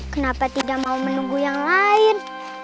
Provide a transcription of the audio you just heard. kenapa tidak mau menunggu yang lain